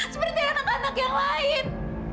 seperti anak anak yang lain